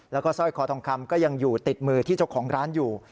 แล้วก็สร้อยคอทองคำก็ยังอยู่ติดมือที่เจ้าของร้านอยู่